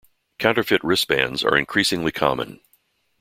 Counterfeit wristbands are increasingly common.